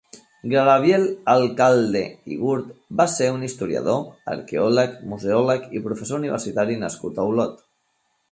Gabriel Alcalde i Gurt va ser un historiador, arqueòleg, museòleg i professor universitari nascut a Olot.